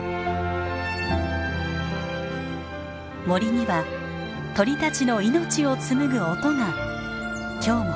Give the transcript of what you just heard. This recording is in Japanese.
森には鳥たちの命を紡ぐ音が今日も響き続けています。